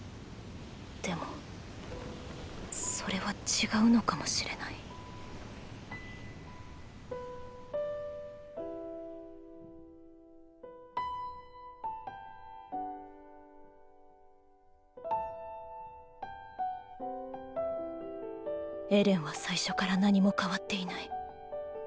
でもそれは違うのかもしれないエレンは最初から何も変わっていない。